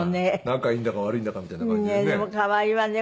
仲いいんだか悪いんだかみたいな感じでね。